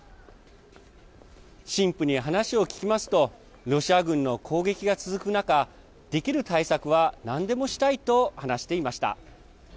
神父に話を聞きますとロシア軍の攻撃が続く中できる対策は、なんでもしたいと話していました。